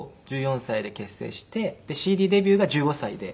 １４歳で結成してＣＤデビューが１５歳で。